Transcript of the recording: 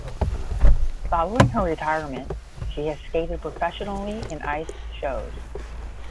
Following her retirement, she has skated professionally in ice shows.